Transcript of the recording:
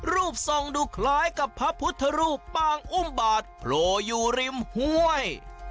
รูปทรงดูคล้ายกับพระพุทธรูปปางอุ้มบาทโผล่อยู่ริมห้วย